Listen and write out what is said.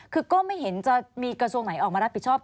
คือก็ไม่เห็นจะมีกระทรวงไหนออกมารับผิดชอบ